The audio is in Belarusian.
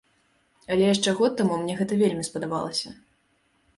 Але яшчэ год таму мне гэта вельмі спадабалася.